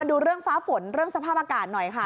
ดูเรื่องฟ้าฝนเรื่องสภาพอากาศหน่อยค่ะ